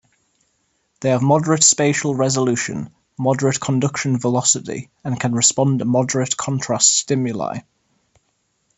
They have moderate spatial resolution, moderate conduction velocity, and can respond to moderate-contrast stimuli.